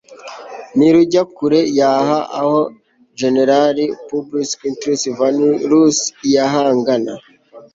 ntirujya kure yaha aho general publius quinctilius varus yahanganaga